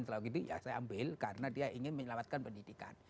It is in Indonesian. kalau gini ya saya ambil karena dia ingin menyelamatkan pendidikan